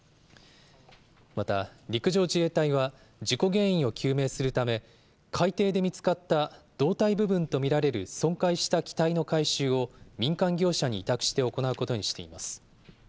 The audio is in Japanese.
また、陸上自衛隊は事故原因を究明するため、海底で見つかった胴体部分と見られる損壊した機体の回収を民間業者に委託して行うことにしています。